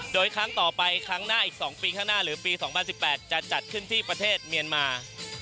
โดยครั้งต่อไปครั้งหน้าอีก๒ปีข้างหน้าหรือปี๒๐๑๘จะจัดขึ้นที่ประเทศเมียนมา